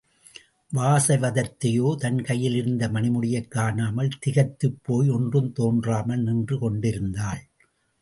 வாசவதத்தையோ தன் கையிலிருந்த மணிமுடியைக் காணாமல் திகைத்துப்போய் ஒன்றும் தோன்றாமல் நின்று கொண்டிருந்தாள்!